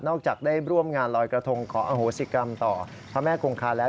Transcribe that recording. จากได้ร่วมงานลอยกระทงขออโหสิกรรมต่อพระแม่คงคาแล้ว